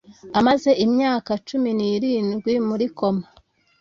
Amaze imyaka cumi n’irindwi muri koma